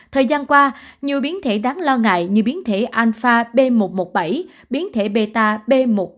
thời gian qua nhiều biến thể đáng lo ngại như biến thể alpha b một một bảy biến thể beta b một ba một năm